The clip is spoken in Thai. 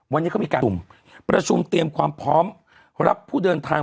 วันนี้เขามีการประชุมเตรียมความพร้อมรับผู้เดินทาง